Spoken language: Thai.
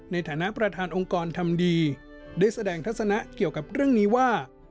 ในฐานะประธานองค์กรทำดีได้แสดงทัศนะเกี่ยวกับเรื่องนี้ว่า